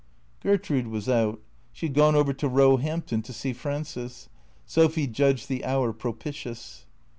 Gertrude was out. She had gone over to Eoehampton to see Frances. Sophy judged the hour propitious.